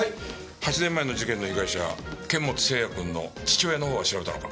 ８年前の事件の被害者堅物星也くんの父親のほうは調べたのか？